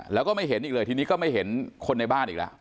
แล้วก็ไม่เห็นอีกเลยทีนี้ก็ไม่เห็นคนในบ้านอีกแล้ว